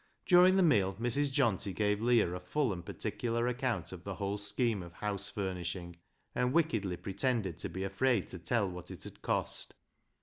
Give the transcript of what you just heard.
During the meal Mrs. Johnty gave Leah a full and particular account of the whole scheme of house furnishing, and wickedly pretended to be afraid to tell what it had cost.